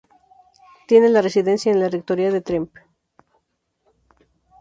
Tienen la residencia en la rectoría de Tremp.